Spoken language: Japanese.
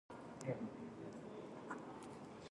大笑いしたくさ